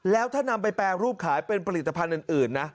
แล้วถ้านำไปแปรรูปขายเป็นผลิตภัณฑ์อื่นนะ